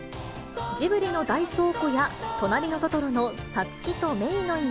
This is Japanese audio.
ジブリの大倉庫やとなりのトトロのサツキとメイの家。